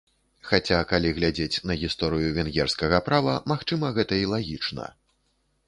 Хаця, калі глядзець на гісторыю венгерскага права, магчыма, гэта і лагічна.